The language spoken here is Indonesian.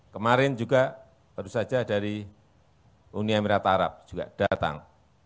kemarin juga baru saja dari uni emirat arab juga datang